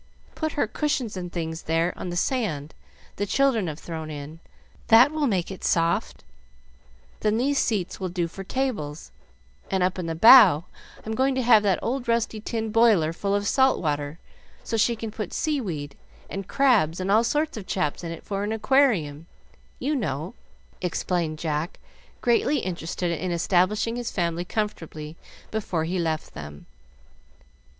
Put her cushions and things there on the sand the children have thrown in that will make it soft; then these seats will do for tables; and up in the bow I'm going to have that old rusty tin boiler full of salt water, so she can put seaweed and crabs and all sorts of chaps in it for an aquarium, you know," explained Jack, greatly interested in establishing his family comfortably before he left them.